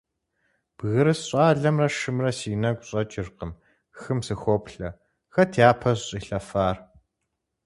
Бгырыс щӀалэмрэ шымрэ си нэгу щӀэкӀыркъым, хым сыхоплъэ: хэт япэ щӀилъэфар?